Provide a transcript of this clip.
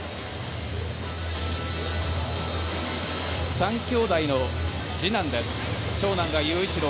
３兄妹の次男です。